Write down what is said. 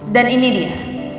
dan ini dia